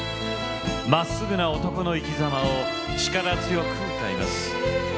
まっすぐな男の生きざまを力強く歌います。